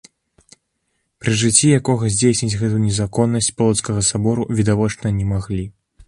Пры жыцці якога здзейсніць гэту незаконнасць полацкага сабору відавочна не маглі.